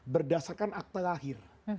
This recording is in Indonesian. berdasarkan akte lahir